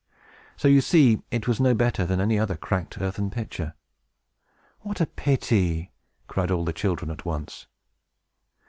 So, you see, it was no better than any other cracked earthen pitcher." "What a pity!" cried all the children at once.